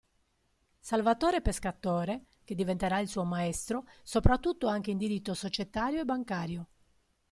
Salvatore Pescatore che diventerà il suo maestro, soprattutto anche in diritto societario e bancario.